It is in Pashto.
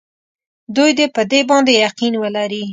دوی دې په دې باندې یقین ولري.